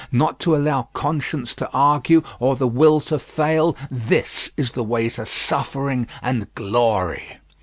Not to allow conscience to argue or the will to fail this is the way to suffering and glory.